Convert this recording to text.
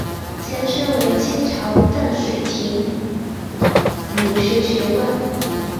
前身为清朝淡水厅儒学学宫。